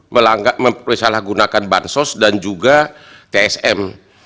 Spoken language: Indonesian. salah menggunakan bansos dan juga tsm